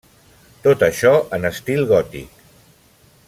Tot això en estil gòtic.